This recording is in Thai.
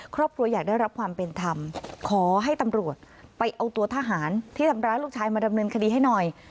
ครอบครัวอยากได้รับความเป็นธรรมขอให้ตำรวจไปเอาตัวทหารที่ทำร้ายลูกชายมาดำเนินคดีให้หน่อย